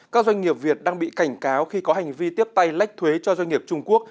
các doanh nghiệp việt đang bị cảnh cáo khi có hành vi tiếp tay lách thuế cho doanh nghiệp trung quốc